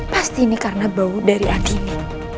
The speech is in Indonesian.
pasti ini karena bau dari angin